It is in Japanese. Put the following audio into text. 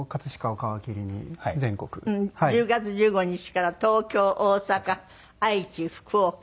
１０月１５日から東京大阪愛知福岡。